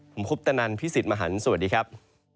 ผมคุปตะนันพี่สิทธิ์มหันฯสวัสดีครับ